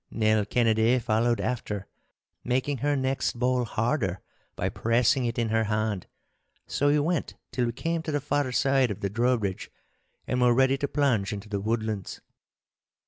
Nell Kennedy followed after, making her next ball harder by pressing it in her hand. So we went till we came to the far side of the drawbridge and were ready to plunge into the woodlands.